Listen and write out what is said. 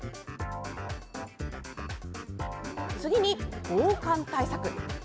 次に、防寒対策。